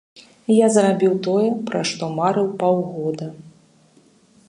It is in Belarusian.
Я зрабіў тое, пра што марыў паўгода.